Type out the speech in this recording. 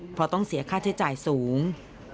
เพราะต้องเสียค่าใช้จ่ายสูง